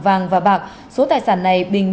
vàng và bạc số tài sản này bình